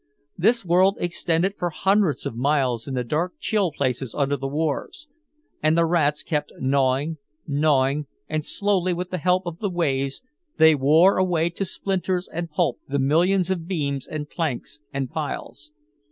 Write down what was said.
This world extended for hundreds of miles in the dark chill places under the wharves. And the rats kept gnawing, gnawing, and slowly with the help of the waves they wore away to splinters and pulp the millions of beams and planks and piles.